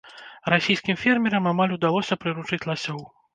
Расійскім фермерам амаль удалося прыручыць ласёў.